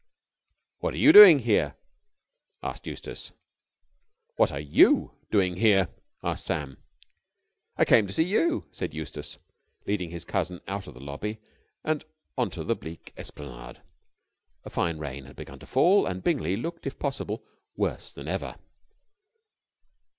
"What are you doing here?" asked Eustace. "What are you doing here?" asked Sam. "I came to see you," said Eustace, leading his cousin out of the lobby and onto the bleak esplanade. A fine rain had begun to fall, and Bingley looked, if possible, worse than ever.